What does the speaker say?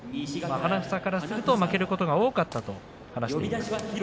花房からすると負けることが多かったと話しています。